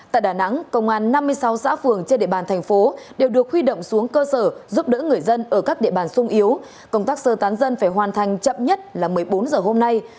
tại đà nẵng công an năm mươi sáu xã phường trên địa bàn thành phố đều được huy động xuống cơ sở giúp đỡ người dân ở các địa bàn sung yếu công tác sơ tán dân phải hoàn thành chậm nhất là một mươi bốn giờ hôm nay